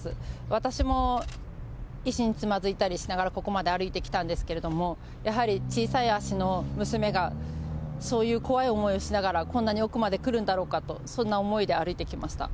私も石につまずいたりしながらここまで歩いてきたんですけれども、やはり小さい足の娘が、そういう怖い思いをしながらこんなに奥まで来るんだろうかと、そんな思いで歩いてきました。